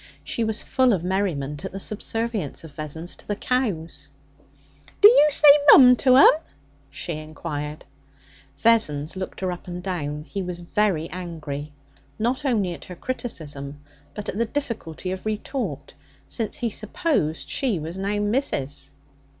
She was full of merriment at the subservience of Vessons to the cows. 'D'you say "mum" to 'em?' she inquired. Vessons looked her up and down. He was very angry, not only at her criticism, but at the difficulty of retort, since he supposed she was now 'missus.'